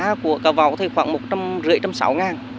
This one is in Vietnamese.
cà mũ của cá vẫu thì khoảng một trăm năm mươi một trăm sáu mươi ngàn